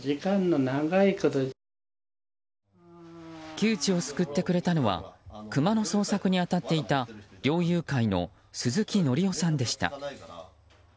窮地を救ってくれたのはクマの捜索に当たっていた猟友会の鈴木紀夫さんでした。